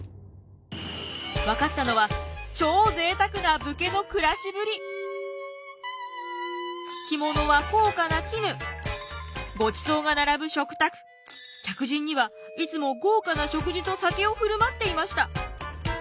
分かったのは着物は高価な絹ごちそうが並ぶ食卓客人にはいつも豪華な食事と酒を振る舞っていました。